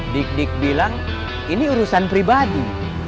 dik dik bilang ini urusan pribadi